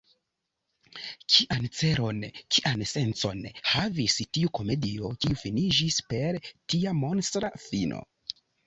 Kian celon, kian sencon havis tiu komedio, kiu finiĝis per tia monstra fino?